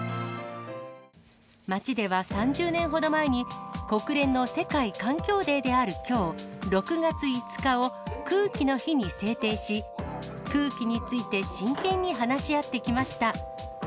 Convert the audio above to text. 町では３０年ほど前に、国連の世界環境デーであるきょう６月５日を空気の日に制定し、空気について真剣に話し合ってきました。